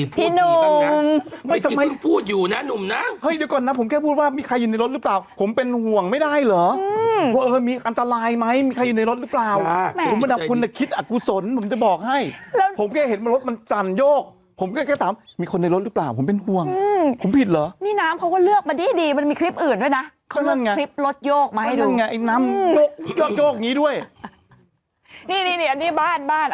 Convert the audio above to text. พี่น้องประชาชนทร์พี่น้องประชาชนทร์พี่น้องประชาชนทร์พี่น้องประชาชนทร์พี่น้องประชาชนทร์พี่น้องประชาชนทร์พี่น้องประชาชนทร์พี่น้องประชาชนทร์พี่น้องประชาชนทร์พี่น้องประชาชนทร์พี่น้องประชาชนทร์พี่น้องประชาชนทร์พี่น้องประชาชนทร์พี่น้องประชาชนทร์พี่น้องประชาชน